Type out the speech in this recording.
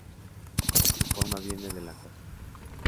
Su forma viene de la Ч.